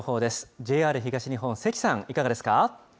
ＪＲ東日本、関さん、いかがです